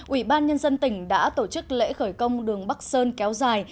ủy ban nhân dân tỉnh đã tổ chức lễ khởi công đường bắc sơn kéo dài